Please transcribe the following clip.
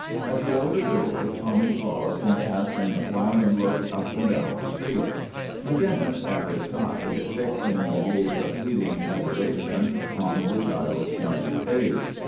At the outer door Tommy paused and cast an in quiring look up and down the street, Maginnis, at his side, fixing a gaze of pleading adoration on the child's smudgy face.